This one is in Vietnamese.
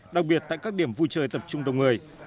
đặc biệt tại các điểm vui chơi tập trung đông người